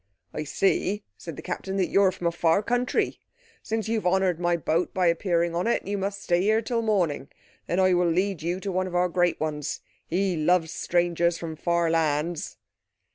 "I see," said the Captain, "that you are from a far country. Since you have honoured my boat by appearing on it, you must stay here till morning. Then I will lead you to one of our great ones. He loves strangers from far lands."